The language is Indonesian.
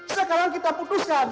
sekarang kita putuskan